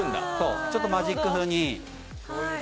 ちょっとマジック風に。